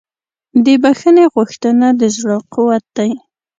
د بښنې غوښتنه د زړه قوت دی.